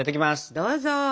どうぞ。